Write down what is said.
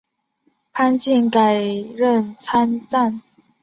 潘靖改任参赞。